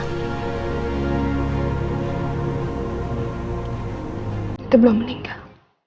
kita belum meninggal